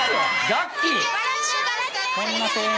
ガッキー。